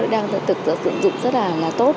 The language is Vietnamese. đang tự dụng rất là tốt